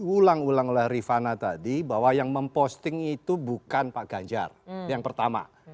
dan diulang ulang oleh rifana tadi bahwa yang memposting itu bukan pak ganjar yang pertama